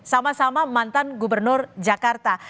sama sama mantan gubernur jakarta